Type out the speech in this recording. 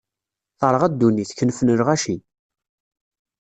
Terɣa ddunit, kenfen lɣaci.